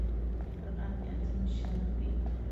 قران عظیم الشان دئ.